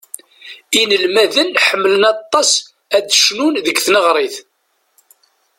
Inelmaden ḥemmlen aṭas ad cnun deg tneɣrit.